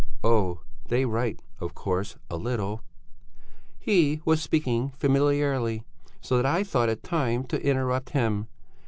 '" "'Oh! They write, of course, a little....'" "He was speaking familiarly, so that I thought it time to interrupt him.